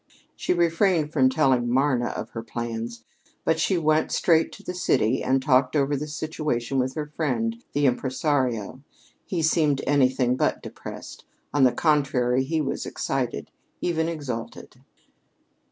She refrained from telling Marna of her plans, but she went straight to the city and talked over the situation with her friend the impresario. He seemed anything but depressed. On the contrary, he was excited even exalted.